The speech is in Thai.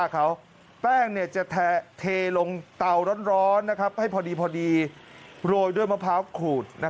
เยาว์ร้อนให้พอดีโรยด้วยมะพร้าวขุด